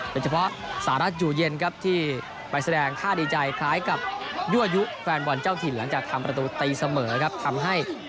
โดยเฉพาะสหรัฐอยู่เย็นครับที่ไปแสดงท่าดีใจคล้ายกับยั่วยุแฟนบอลเจ้าถิ่นหลังจากทำประตูตีเสมอครับทำให้